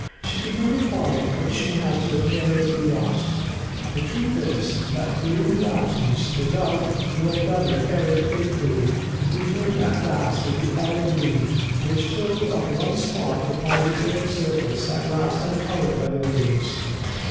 She could never find what she had so carelessly lost. The truth is that during her absence the Dove, who had done her errand faithfully, returned at last with the olive leaf which told of one spot upon the earth's surface at last uncovered by the waves.